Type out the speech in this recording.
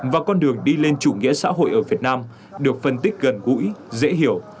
và con đường đi lên chủ nghĩa xã hội ở việt nam được phân tích gần gũi dễ hiểu